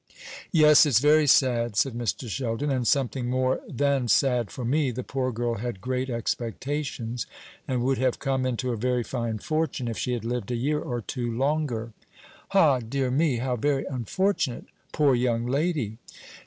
"Yes, it's very sad," said Mr. Sheldon; "and something more than sad for me. The poor girl had great expectations, and would have come into a very fine fortune if she had lived a year or two longer." "Ha! dear me, how very unfortunate! Poor young lady!"